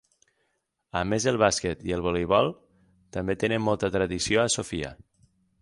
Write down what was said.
A més el bàsquet i el voleibol també tenen molta tradició a Sofia.